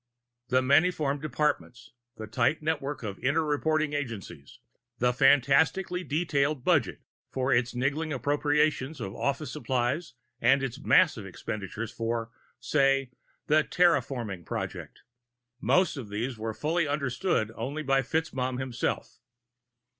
The manifold departments, the tight network of inter reporting agencies, the fantastically detailed budget with its niggling appropriations for office supplies and its massive expenditures for, say, the terraforming project most of these were fully understood only by FitzMaugham himself.